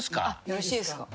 よろしいですか。